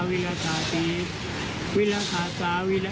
สวัสดีครับสวัสดีครับ